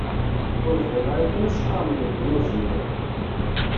Ur bɣiɣ ara kan ad s-qqaren medden ur zmireɣ.